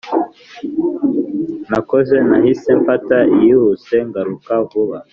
Nakoze nahise mfata iyihuse ngaruka vuba